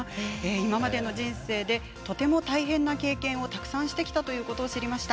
今までの人生でとても大変な経験をたくさんしてきたということを知りました。